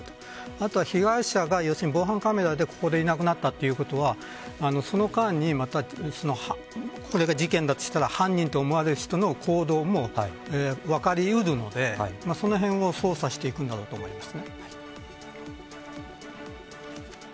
あと、被害者が防犯カメラでここでいなくなったということはその間にこの事件だとしたら犯人と思われる人の行動も分かり得るのでそのへんを捜査していくんだろうと思います。